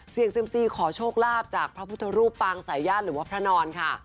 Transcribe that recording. เซ็มซีขอโชคลาภจากพระพุทธรูปปางสายญาติหรือว่าพระนอนค่ะ